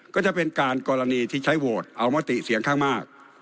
ก็จะเป็นการกรณีที่ใช้โหวตเอามติเสียงข้างมาก